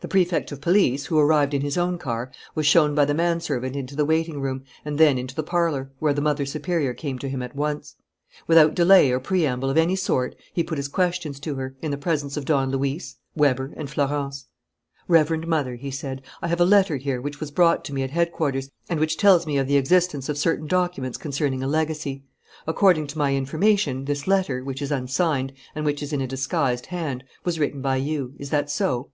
The Prefect of Police, who arrived in his own car, was shown by the manservant into the waiting room and then into the parlour, where the mother superior came to him at once. Without delay or preamble of any sort he put his questions to her, in the presence of Don Luis, Weber, and Florence: "Reverend mother," he said, "I have a letter here which was brought to me at headquarters and which tells me of the existence of certain documents concerning a legacy. According to my information, this letter, which is unsigned and which is in a disguised hand, was written by you. Is that so?"